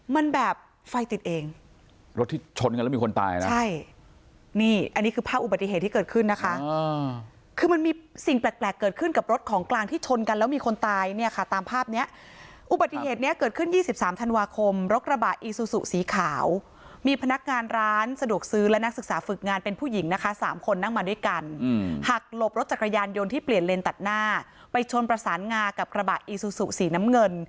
มันแบบไฟติดเองรถที่ชนกันแล้วมีคนตายนะใช่นี่อันนี้คือภาพอุบัติเหตุที่เกิดขึ้นนะคะคือมันมีสิ่งแปลกเกิดขึ้นกับรถของกลางที่ชนกันแล้วมีคนตายเนี่ยค่ะตามภาพเนี้ยอุบัติเหตุเนี้ยเกิดขึ้นยี่สิบสามธันวาคมรถกระบะอีซูซุสีขาวมีพนักงานร้านสะดวกซื้อและนักศึกษาฝึกง